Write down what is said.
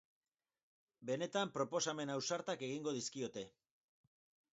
Benetan proposamen ausartak egingo dizkiote.